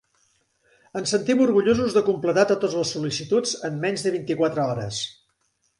Ens sentim orgullosos de completar totes les sol·licituds en menys de vint-i-quatre hores.